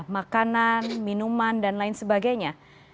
makanan minuman dan lain sebagainya